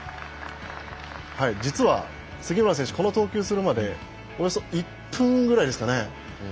実は杉村選手この投球をするまでおよそ１分ぐらいですかね。